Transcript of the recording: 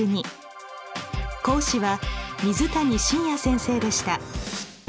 講師は水谷信也先生でした。